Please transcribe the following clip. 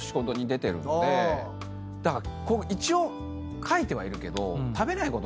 一応書いてはいるけど。